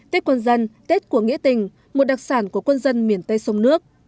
tết quân dân tết của nghĩa tình một đặc sản của quân dân miền tây sông nước